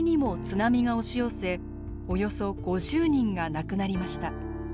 およそ５０人が亡くなりました。